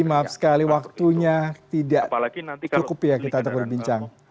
maaf sekali waktunya tidak cukup ya kita untuk berbincang